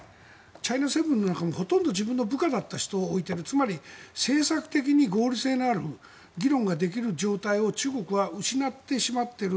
チャイナセブンの中もほとんど自分の部下だった人を置いているつまり政策的に合理性のある議論ができる状態を中国は失ってしまっている。